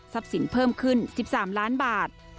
ทรัพย์สินเพิ่มขึ้น๑๓ล้านบาท